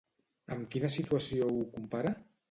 Amb quina situació ho compara?